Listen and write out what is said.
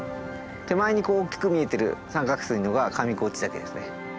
手前に大きく見えてる三角錐のが上河内岳ですね。